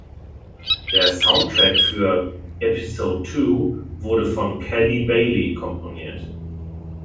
Der Soundtrack für "Episode Two" wurde von Kelly Bailey komponiert.